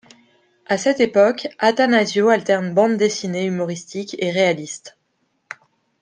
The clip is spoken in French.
À cette époque, Attanasio alterne bandes dessinées humoristiques et réalistes.